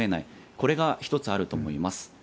これが一つあると思います。